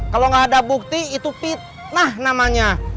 kalo gak ada bukti itu pitnah namanya